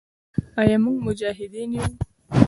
آیا موږ مجاهدین یو؟